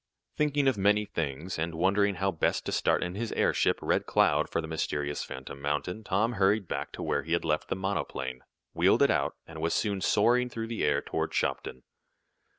Thinking of many things, and wondering how best to start in his airship Red Cloud for the mysterious Phantom Mountain, Tom hurried back to where he had left the monoplane, wheeled it out, and was soon soaring through the air toward Shopton.